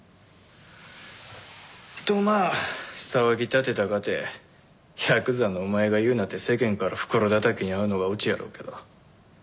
とまあ騒ぎ立てたかて「ヤクザのお前が言うな」って世間から袋だたきに遭うのがオチやろうけど。